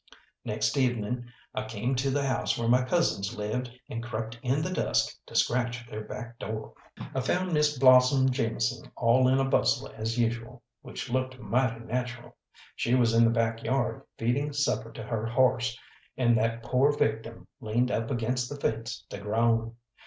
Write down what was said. Next evening I came to the house where my cousins lived, and crept in the dusk to scratch at their back door. I found Miss Blossom Jameson all in a bustle as usual, which looked mighty natural. She was in the backyard feeding supper to her horse, and that poor victim leaned up against the fence to groan.